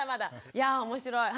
いやぁ面白い。